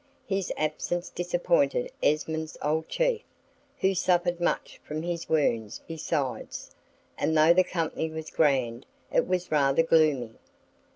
His absence disappointed Esmond's old chief, who suffered much from his wounds besides; and though the company was grand, it was rather gloomy.